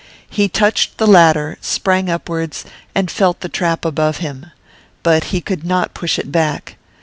He touched the ladder, sprang upwards, and felt the trap above him. But he could not push it back.